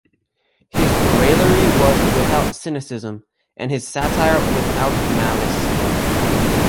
His raillery was without cynicism, and his satire without malice.